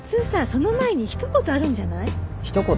その前にひと言あるんじゃない？ひと言？